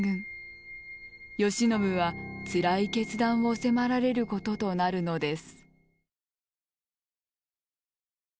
慶喜はつらい決断を迫られることとなるのです。